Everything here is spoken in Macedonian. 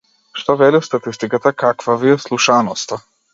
Што вели статистиката, каква ви е слушаноста?